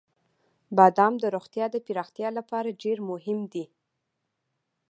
• بادام د روغتیا د پراختیا لپاره ډېر مهم دی.